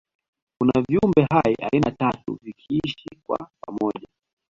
kuna viumbe hai aina tatu vikiishi kwa pamoja